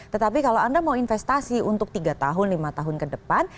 tetapi kalau anda mau investasi untuk tiga tahun lima tahun ke depan